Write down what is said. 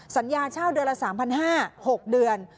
สัญญาเช่าเดือนละ๓๕๐๐๖เดือน